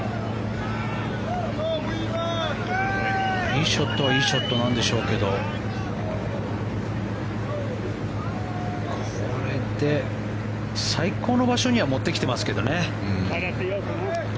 いいショットはいいショットなんでしょうけどこれで最高の場所には持ってきてますけどね。